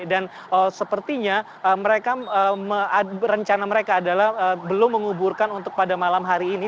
dan sepertinya rencana mereka adalah belum menguburkan untuk pada malam hari ini